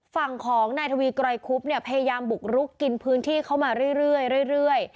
ฝั่งของนายทวีกรอยคุบเนี่ยพยายามบุกรุกกินพื้นที่เข้ามาเรื่อยเรื่อยเรื่อย